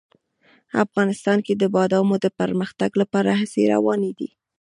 افغانستان کې د بادامو د پرمختګ لپاره هڅې روانې دي.